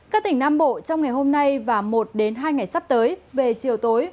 các tỉnh nam bộ trong ngày hôm nay và một hai ngày sắp tới về chiều tối